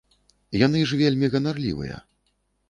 Яны ж вельмі ганарлівыя.